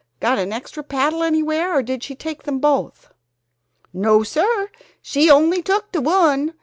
Got an extra paddle anywhere, or did she take them both?" "No, sir, she only took de one.